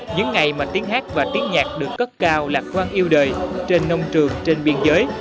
những ngày mà tiếng hát và tiếng nhạc được cất cao lạc quan yêu đời trên nông trường trên biên giới